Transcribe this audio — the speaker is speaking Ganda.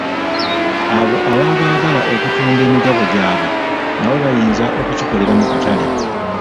Abo ababa baagala okutunda emigabo gyaabwe nabo bayinza okukikolera mu katale.